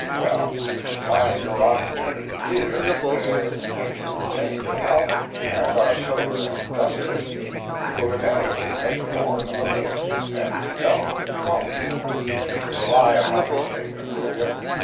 Well, you can find your opportunity here, where, if you retain your health, and are sober and industrious, you will inevitably make more than a living, and if you don't you won't. You can rely upon this statement, William.